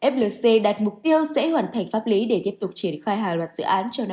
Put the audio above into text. flc đạt mục tiêu sẽ hoàn thành pháp lý để tiếp tục triển khai hàng loạt dự án trong năm hai nghìn hai mươi hai